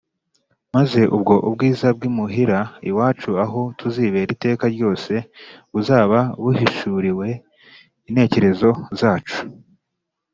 Maze ubwo ubwiza bw’imuhira iwacu aho tuzibera iteka ryose buzaba buhishuriwe intekerezo zacu